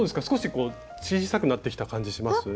少し小さくなってきた感じします？